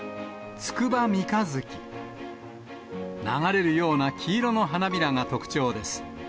流れるような黄色の花びらが特徴です。